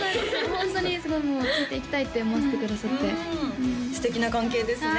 ホントにすごいついて行きたいって思わせてくださって素敵な関係ですね